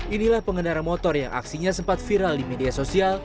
inilah pengendara motor yang aksinya sempat viral di media sosial